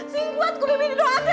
singkuat aku bimbing doa aku